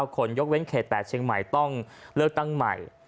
คนยกเว้นเขต๘เชียงใหม่ต้องเลือกตั้งใหม่